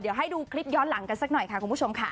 เดี๋ยวให้ดูคลิปย้อนหลังกันสักหน่อยค่ะคุณผู้ชมค่ะ